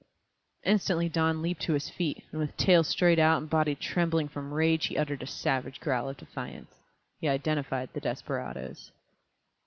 Instantly Don leaped to his feet, and with tail straight out and body trembling from rage he uttered a savage growl of defiance. He identified the desperadoes.